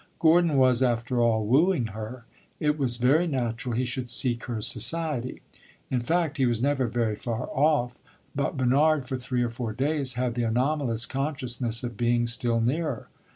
Gordon was, after all, wooing her; it was very natural he should seek her society. In fact, he was never very far off; but Bernard, for three or four days, had the anomalous consciousness of being still nearer.